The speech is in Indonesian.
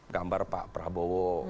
gambar pak prabowo